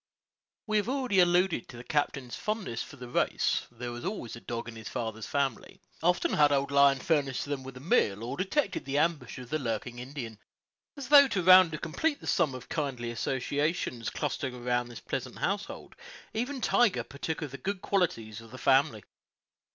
We have already alluded to the captain's fondness for the race: there was always a dog in his father's family. Often had old Lion furnished them with a meal, or detected the ambush of the lurking Indian. As though to round and complete the sum of kindly associations clustering around this pleasant household, even Tiger partook of the good qualities of the family.